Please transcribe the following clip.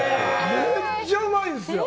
めっちゃうまいんですよ。